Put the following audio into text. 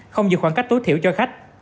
không dự khoảng cách tối thiểu cho khách